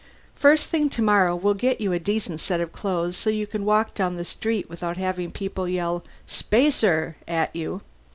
First thing tomorrow we'll get you a decent set of clothes, so you can walk down the street without having people yell 'Spacer!' at you.